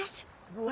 うわ！